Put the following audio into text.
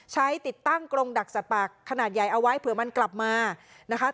ติดตั้งกรงดักสัตว์ป่าขนาดใหญ่เอาไว้เผื่อมันกลับมานะคะ